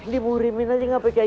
dimurimin aja gak pegang